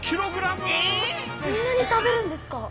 そんなに食べるんですか。